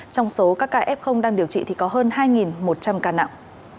trong số các ca f đang điều trị thì có hơn hai một trăm linh ca nặng